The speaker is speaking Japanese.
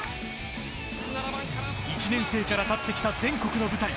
１年生から戦ってきた全国の舞台。